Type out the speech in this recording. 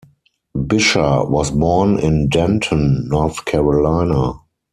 Bisher was born in Denton, North Carolina.